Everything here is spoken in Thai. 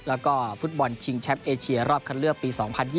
แล้วก็ฟุตบอลชิงแชมป์เอเชียรอบคันเลือกปี๒๐๒๐